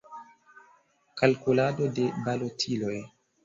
Kalkulado de balotiloj.